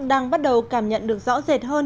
đang bắt đầu cảm nhận được rõ rệt hơn